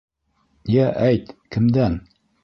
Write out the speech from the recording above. Йә, әйт, кемдән?